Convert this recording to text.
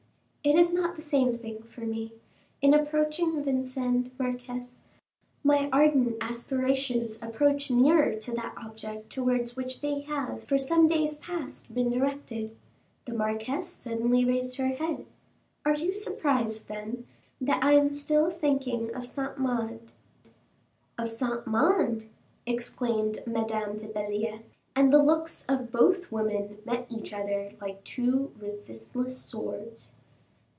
"It is not the same thing for me. In approaching Vincennes, marquise, my ardent aspirations approach nearer to that object towards which they have for some days past been directed." The marquise suddenly raised her head. "Are you surprised, then, that I am still thinking of Saint Mande?" "Of Saint Mande?" exclaimed Madame de Belliere; and the looks of both women met each other like two resistless swords.